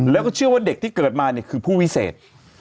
แล้วก็เชื่อว่าเด็กที่เกิดมาเนี่ยคือผู้วิเศษ